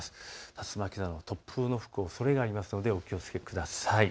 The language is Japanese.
竜巻などの突風の吹くおそれがありますのでお気をつけください。